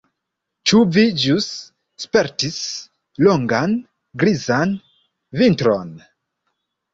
Ĉu vi ĵus spertis longan grizan vintron?